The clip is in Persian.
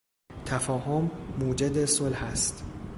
تفاهم موجد صلح است.